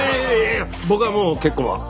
僕はもう結婚は。